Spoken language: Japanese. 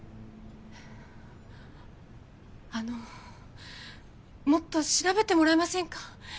あのもっと調べてもらえませんか？